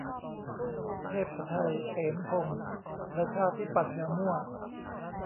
เทพไท เสนพงศ์ ประชาธิปัตย์ อย่ามั่ว